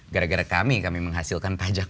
gara gara kami kami menghasilkan pajak